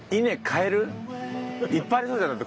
いっぱいありそうじゃんだって